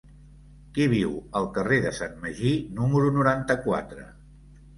Qui viu al carrer de Sant Magí número noranta-quatre?